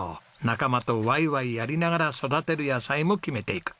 仲間とワイワイやりながら育てる野菜も決めていく。